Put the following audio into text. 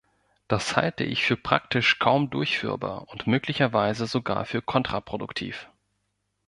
Das halte ich für praktisch kaum durchführbar und möglicherweise sogar für kontraproduktiv.